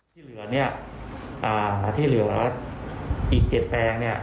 ที่เหลือเนี่ยอีก๗แปลงเนี่ย